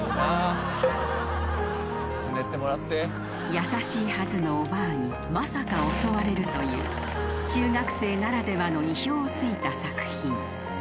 ［優しいはずのおばあにまさか襲われるという中学生ならではの意表を突いた作品］